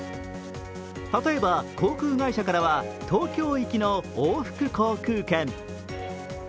例えば航空会社からは東京行きの往復航空券。